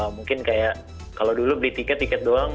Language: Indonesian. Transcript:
mungkin kayak kalau dulu beli tiket tiket doang